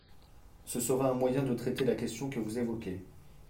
Ce sera un moyen de traiter la question que vous évoquez.